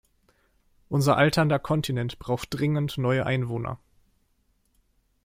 Unser alternder Kontinent braucht dringend neue Einwohner.